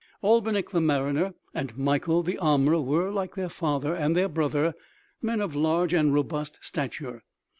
Albinik the mariner and Mikael the armorer were, like their father and their brother, men of large and robust stature.